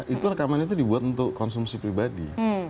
itu rekaman itu dibuat untuk konsumsi pribadi